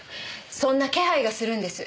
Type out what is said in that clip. そんな気配がするんです。